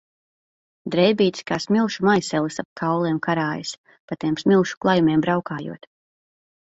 Drēbītes kā smilšu maišelis ap kauliem karājas, pa tiem smilšu klajumiem braukājot.